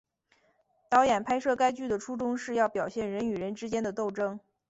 导演拍摄该剧的初衷是要表现人与人之间的斗争。